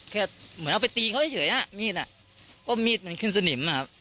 แค่เหมือนเอาไปตีเขาเฉยเฉยเนี้ยมีดอ่ะก็มีดมันขึ้นสนิมอ่ะครับ